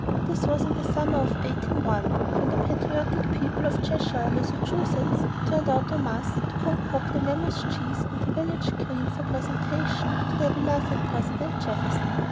This was in the summer of 1801 when the patriotic people of Cheshire, Massachusetts, turned out en masse to concoct a mammoth cheese on the village green for presentation to their beloved President Jefferson.